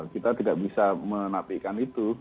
kita tidak bisa menafikan itu